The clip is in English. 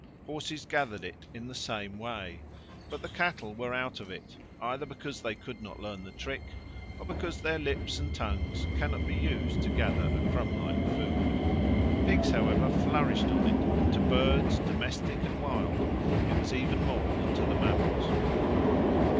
Horses gathered it in the same way, but the cattle were out of it, either because they could not learn the trick, or because their lips and tongues cannot be used to gather a crumb like food. Pigs, however, flourished on it, and to birds, domestic and wild, it was even more than to the mammals.